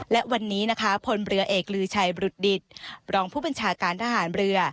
และวันนี้นะคะพลเรือเอกลือชัยบรุษดิตรองผู้บัญชาการทหารเรือ